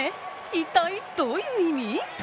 一体どういう意味？